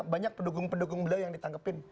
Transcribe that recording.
banyak pendukung pendukung beliau yang ditangkepin